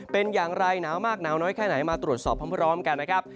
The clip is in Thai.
เป็นอย่างไรหนาวมากหนาวน้อยแค่ไหนมาตรวจสอบพร้อมกันนะครับ